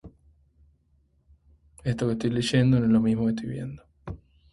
El plastrón tiene los bordes de tonos amarillentos y el centro negro.